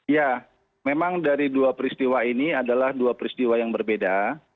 ya memang dari dua peristiwa ini adalah dua peristiwa yang berbeda